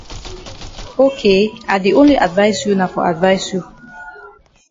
Ok I di only advice you na for advice you.